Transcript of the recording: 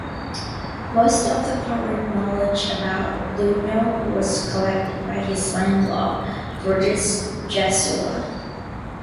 Most of the current knowledge about Lunel was collected by his son-in-law: Georges Jessula.